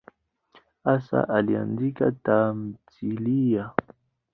Hasa aliandika tamthiliya.